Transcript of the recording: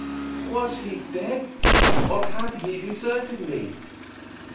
Was he dead, or had he deserted me?